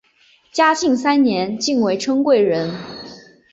嘉庆三年晋为春贵人。